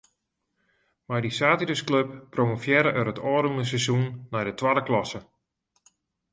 Mei dy saterdeisklup promovearre er it ôfrûne seizoen nei de twadde klasse.